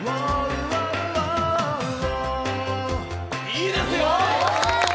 いいですよ！